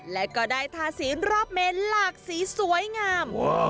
และก็ได้ทาสีรอบเมนหลากสีสวยงาม